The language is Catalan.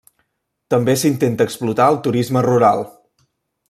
També s'intenta explotar el turisme rural.